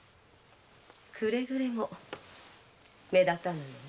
くれぐれも目立たぬようにな。